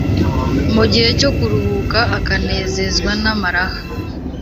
mu gihe cyo kuruhuka akanezezwa n’amaraha.